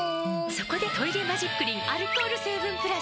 そこで「トイレマジックリン」アルコール成分プラス！